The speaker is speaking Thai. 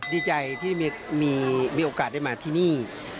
ดีใจที่มีโอกาสได้มาที่นี่